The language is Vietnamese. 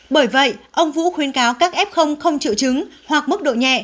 bởi vậy ông vũ khuyên cáo các f không triệu chứng hoặc mức độ nhẹ